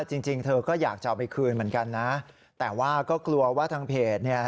จริงจริงเธอก็อยากจะเอาไปคืนเหมือนกันนะแต่ว่าก็กลัวว่าทางเพจเนี่ย